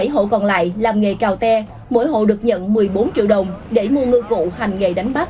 bảy hộ còn lại làm nghề cao te mỗi hộ được nhận một mươi bốn triệu đồng